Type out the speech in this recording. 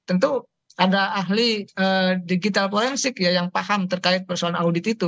tentu ada ahli digital forensik ya yang paham terkait persoalan audit itu